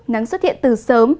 nắng xuất hiện từ sớm